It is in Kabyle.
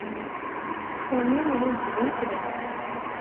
Sami ilul-d d ineslem.